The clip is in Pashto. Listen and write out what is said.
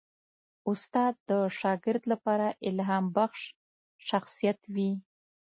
استاد د شاګرد لپاره الهامبخش شخصیت وي.